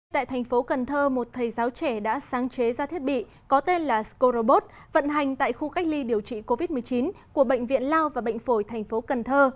tại thành phố cần thơ một thầy giáo trẻ đã sáng chế ra thiết bị có tên là scorobot vận hành tại khu cách ly điều trị covid một mươi chín của bệnh viện lao và bệnh phổi thành phố cần thơ